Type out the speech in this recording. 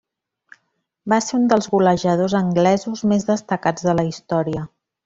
Va ser un dels golejadors anglesos més destacats de la història.